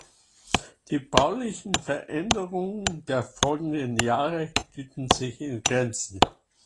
Die baulichen Veränderungen der folgenden Jahre hielten sich in Grenzen.